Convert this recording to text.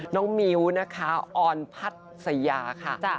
น้องมิ้วนะคะออนพัทยาค่ะ